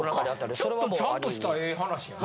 ちょっとちゃんとしたええ話やな。